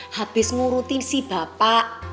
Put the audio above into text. habis nguruti si bapak